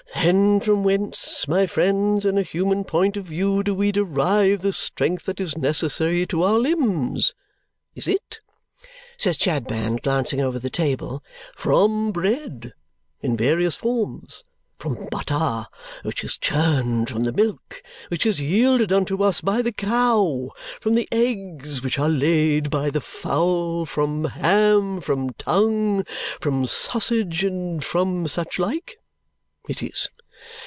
Then from whence, my friends, in a human point of view, do we derive the strength that is necessary to our limbs? Is it," says Chadband, glancing over the table, "from bread in various forms, from butter which is churned from the milk which is yielded unto us by the cow, from the eggs which are laid by the fowl, from ham, from tongue, from sausage, and from such like? It is.